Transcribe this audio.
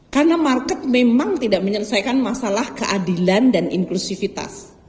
karena market memang tidak menyelesaikan masalah keadilan dan inklusivitas